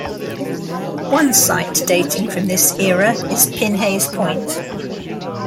One site dating from this era is Pinhey's Point.